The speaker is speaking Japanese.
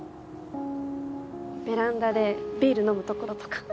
ベランダでビール飲むところとか。